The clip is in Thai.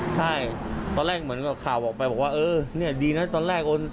ใช่ตอนแรกเหมือนกับข่าวออกไปบอกว่าเออเนี่ยดีนะตอนแรกโอน